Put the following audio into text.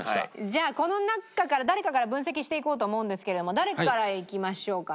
じゃあこの中から誰かから分析していこうと思うんですけれども誰からいきましょうかね。